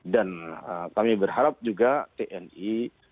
dan kami berharap juga tni